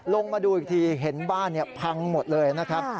ลงมาดูอีกทีเห็นบ้านพังหมดเลยนะครับ